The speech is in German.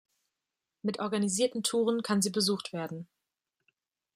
Mit organisierten Touren kann sie besucht werden.